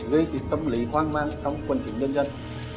gây tâm lý hoang mang trong quân kính nhân dân